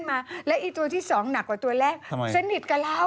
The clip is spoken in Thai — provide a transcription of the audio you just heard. หมาหมาหมาหมาหมาหมาหมาหมาหมาหมาหมาหมาหมา